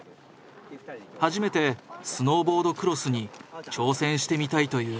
初めてスノーボードクロスに挑戦してみたいという。